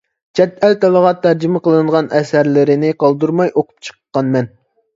چەت ئەل تىلىغا تەرجىمە قىلىنغان ئەسەرلىرىنى قالدۇرماي ئوقۇپ چىققانمەن.